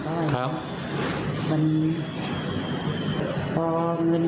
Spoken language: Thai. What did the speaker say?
เขาก็เลย